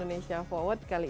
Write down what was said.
ini sudah mulai